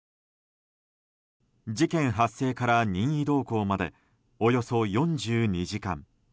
事件発生から任意同行までおよそ４２時間。